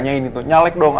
cintia tuh saking